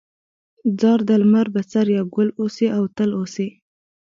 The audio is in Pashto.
ځار د لمر بڅريه، ګل اوسې او تل اوسې